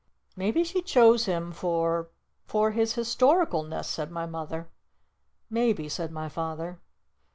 "Maybe she chose him for for his historicalness," said my Mother. " Maybe," said my Father.